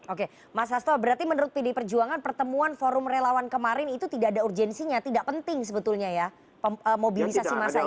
oke mas hasto berarti menurut pdi perjuangan pertemuan forum relawan kemarin itu tidak ada urgensinya tidak penting sebetulnya ya mobilisasi masa ini